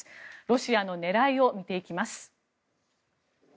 ロシアの狙いを見ていきます。